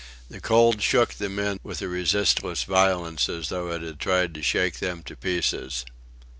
The cold shook the men with a resistless violence as though it had tried to shake them to pieces.